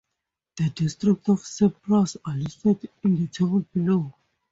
The districts of Cyprus are listed in the table below.